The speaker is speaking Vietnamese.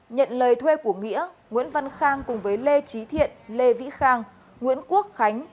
nhận lời thuê của nghĩa nguyễn văn khang cùng với lê trí thiện lê vĩ khang nguyễn quốc khánh